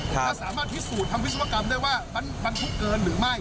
ก็สามารถพิสูจน์ทำวิศวกรรมได้ว่าบรรทุกเกินหรือไม่